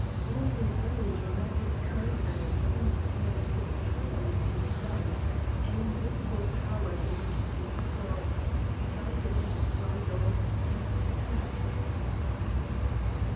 Although the rapid courser seemed left entirely to himself, an invisible power directed his course, guided his bridle, and spurred his sides.